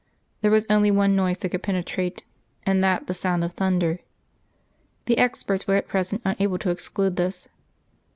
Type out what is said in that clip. There was only one noise that could penetrate, and that the sound of thunder. The experts were at present unable to exclude this.